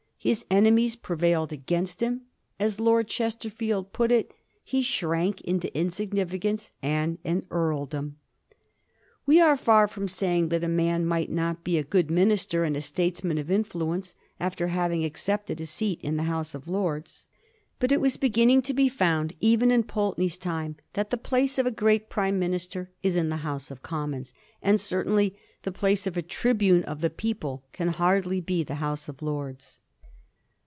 His enemies prevailed against him. As Lord Chesterfield put it, he '^ shrank into insignificance and an earldom." We are far from saying that a man might not be a good minister and a statesman of influence after having accepted a seat in th^ House of Lords. But it was beginning to be found, even in Pulteney's time, that the place of a great Prime minister is in the House of Commons; and certainly the place of a tribune of the people can hardly be the House of Lords.